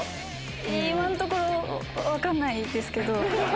今のところ、分かんないですけど。